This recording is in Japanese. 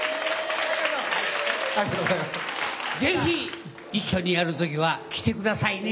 ぜひ一緒にやる時は来て下さいね。